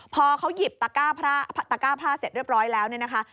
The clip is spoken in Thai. พอเขาหยิบตะก้าตะก้าผ้าเสร็จเรียบร้อยแล้วเนี่ยนะคะ